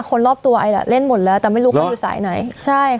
คนรอบตัวไอล่ะเล่นหมดแล้วแต่ไม่รู้เขาอยู่สายไหนใช่ค่ะ